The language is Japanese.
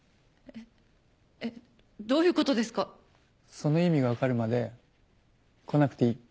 その意味が分かるまで来なくていい。